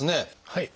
はい。